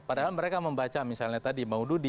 padahal mereka membaca misalnya tadi bang ududi